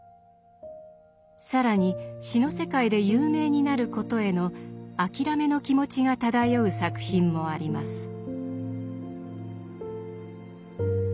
更に詩の世界で有名になることへの諦めの気持ちが漂う作品もあります。